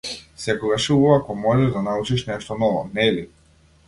Секогаш е убаво ако можеш да научиш нешто ново, нели?